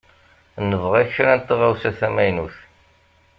Nebɣa kra n tɣawsa tamaynutt.